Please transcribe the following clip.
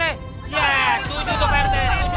setuju pak rt